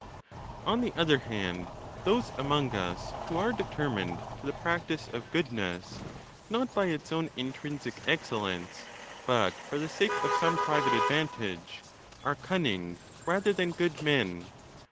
On the other hand, those among us who are determined to the practice of goodness, not by its own intrinsic excellence, but for the sake of some private advantage, are cunning rather than good men.